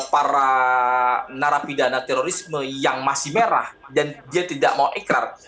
para narapidana terorisme yang masih merah dan dia tidak mau ikrar